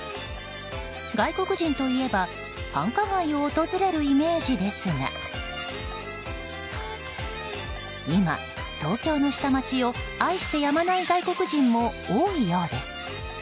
外国人といえば繁華街を訪れるイメージですが今、東京の下町を愛してやまない外国人も多いようです。